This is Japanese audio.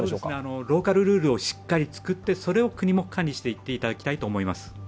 ローカルルールをしっかり作って、それを国が管理してほしいと思います。